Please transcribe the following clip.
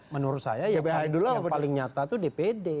menurut saya yang paling nyata itu dpd